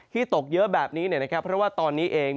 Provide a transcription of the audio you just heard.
ตกเยอะแบบนี้เพราะว่าตอนนี้เอง